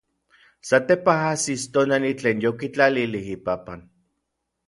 Satepaj ajsis tonali tlen yokitlalilij ipapan.